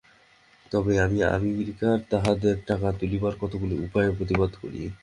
তবে আমি আমেরিকায় তাঁহাদের টাকা তুলিবার কতকগুলি উপায়ের প্রতিবাদ করি।